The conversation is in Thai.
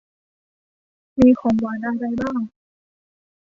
มีของหวานอะไรบ้าง